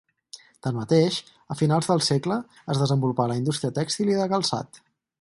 Tanmateix, a finals del segle es desenvolupà la indústria tèxtil i de calçat.